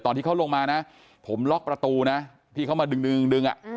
ที่เขาลงมานะผมล็อกประตูนะที่เขามาดึงดึง